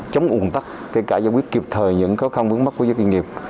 chống ủng tắc kể cả giải quyết kịp thời những khó khăn vướng mắt của doanh nghiệp